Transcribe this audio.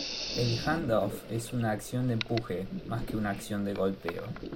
El hand off es una acción de empuje, más que una acción de golpeo.